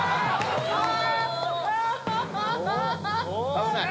危ない！